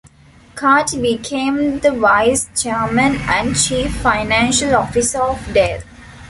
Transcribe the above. Carty became the Vice Chairman and chief financial officer of Dell.